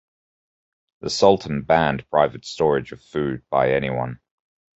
The Sultan banned private storage of food by anyone.